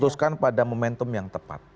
teruskan pada momentum yang tepat